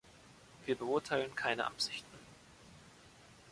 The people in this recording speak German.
Wir beurteilen keine Absichten.